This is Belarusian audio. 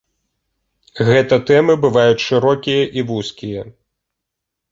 Гэта тэмы бываюць шырокія і вузкія.